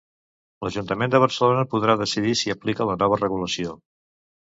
L'Ajuntament de Barcelona podrà decidir si aplica la nova regulació.